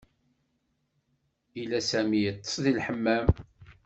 Yella sami ittes di elhmam